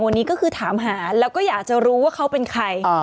วันนี้ก็คือถามหาแล้วก็อยากจะรู้ว่าเขาเป็นใคร